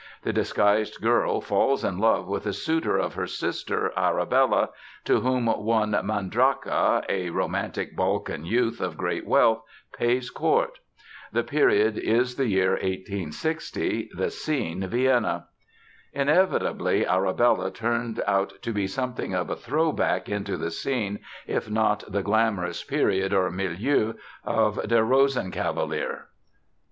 The disguised girl falls in love with a suitor of her sister, Arabella, to whom one Mandryka, a romantic Balkan youth of great wealth, pays court. The period is the year 1860, the scene Vienna. Inevitably, Arabella turned out to be something of a throwback into the scene, if not the glamorous period or milieu, of Der Rosenkavalier.